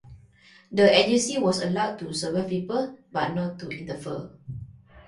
The agency was allowed to surveil people, but not to interfere.